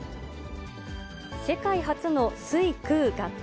世界初の水空合体